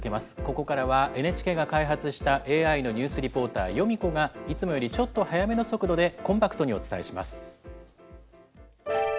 ここからはＮＨＫが開発したＡＩのニュースリポーター、ヨミ子が、いつもよりちょっと速めの速度でコンパクトにお伝えします。